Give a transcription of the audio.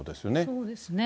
そうですね。